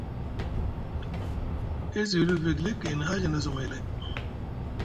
E zuuli vegelek gayni haaja za zamai lai.